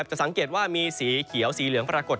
จะสังเกตว่ามีสีเขียวสีเหลืองปรากฏ